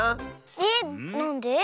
えっなんで？